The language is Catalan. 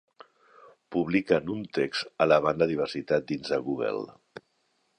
Publiquen un text alabant la diversitat dins de Google